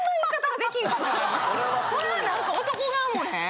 それはなんか男側もね